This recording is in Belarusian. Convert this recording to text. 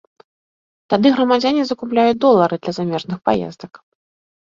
Тады грамадзяне закупляюць долары для замежных паездак.